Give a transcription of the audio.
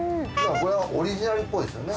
これはオリジナルっぽいですよね。